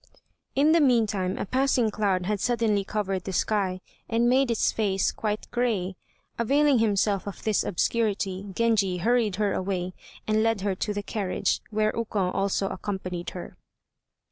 In the meantime a passing cloud had suddenly covered the sky, and made its face quite gray. Availing himself of this obscurity, Genji hurried her away and led her to the carriage, where Ukon also accompanied her.